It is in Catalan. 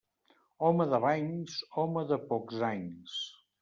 Home de banys, home de pocs anys.